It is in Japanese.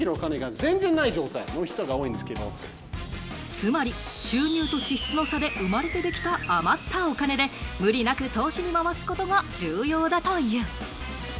つまり収入と支出の差で生まれてできた余ったお金で、無理なく投資に回すことが重要だという。